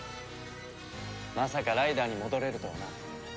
まさかライダーに戻れるとはな。